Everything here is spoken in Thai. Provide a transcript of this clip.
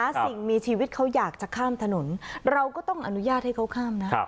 สิ่งมีชีวิตเขาอยากจะข้ามถนนเราก็ต้องอนุญาตให้เขาข้ามนะ